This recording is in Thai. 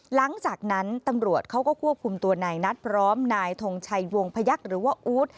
หลังจากนั้นตำรวจเขาก็ควบคุมตัวนายนัทพร้อมนายทงชัยวงพยักษ์หรือว่าอู๊ด